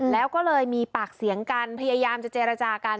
แล้วก็เลยมีปากเสียงกันพยายามจะเจรจากัน